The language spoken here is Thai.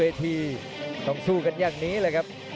ต้องสู้กันอย่างนี้เลยครับ